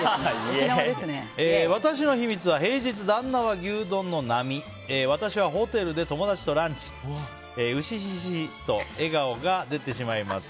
私の秘密は平日、旦那は牛丼の並私はホテルで友達とランチウシシシと笑顔が出てしまいます。